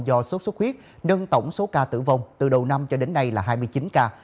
do sốt xuất huyết nâng tổng số ca tử vong từ đầu năm cho đến nay là hai mươi chín ca